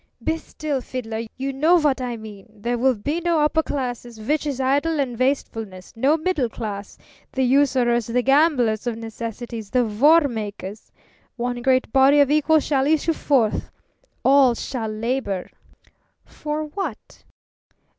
"Be still, fiddler! You know what I mean. There will be no upper class, which is idleness and wastefulness; no middle class, the usurers, the gamblers of necessities, the war makers. One great body of equals shall issue forth. All shall labour." "For what?"